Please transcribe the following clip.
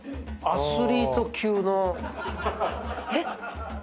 アスリート級の。